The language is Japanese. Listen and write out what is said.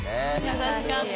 優しかった。